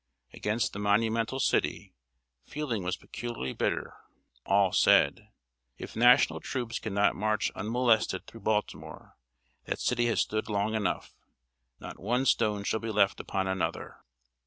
Against the Monumental City, feeling was peculiarly bitter. All said: "If National troops can not march unmolested through Baltimore, that city has stood long enough! Not one stone shall be left upon another."